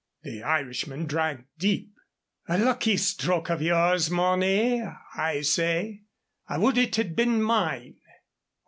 The Irishman drank deep. "A lucky stroke of yours, Mornay, I say. I would it had been mine."